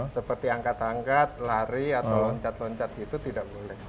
seperti angkat angkat lari atau loncat loncat gitu tidak boleh